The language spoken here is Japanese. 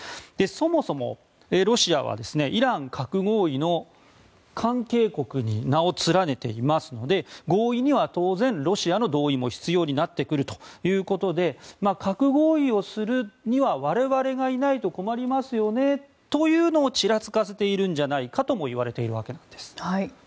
そもそも、ロシアはイラン核合意の関係国に名を連ねていますので合意には当然、ロシアの同意も必要になってくるということで核合意をするには我々がいないと困りますよねというのをちらつかせているんじゃないかともいわれているわけです。